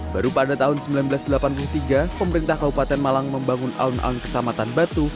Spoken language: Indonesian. baru pada tahun seribu sembilan ratus delapan puluh tiga pemerintah kabupaten malang membangun alun alun kecamatan batu